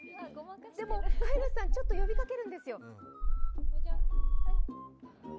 でも、飼い主さん、ちょっと呼びかけるんですよ。